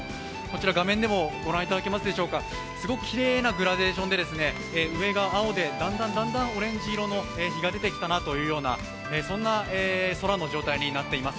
そして空も、すごくきれいなグラデーションで、上が青でだんだんオレンジ色の日が出てきたなというようなそんな空の状態になっています。